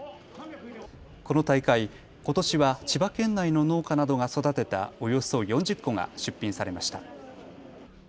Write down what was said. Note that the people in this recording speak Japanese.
この大会、ことしは千葉県内の農家などが育てたおよそ４０個が出品されました。